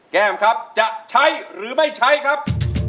แก้มครับจะใช้หรือไม่ใช้ครับ